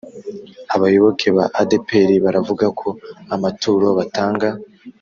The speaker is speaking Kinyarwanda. abayoboke ba adpr baravugako amaturo batanga